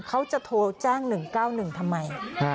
เขาจะโทรแจ้ง๑๙๑ทำไม